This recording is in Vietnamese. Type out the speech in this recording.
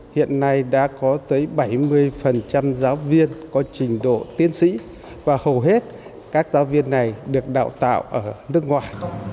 hiện nay đã có tới bảy mươi giáo viên có trình độ tiến sĩ và hầu hết các giáo viên này được đào tạo ở nước ngoài